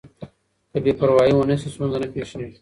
که بې پروايي ونه شي ستونزه نه پېښېږي.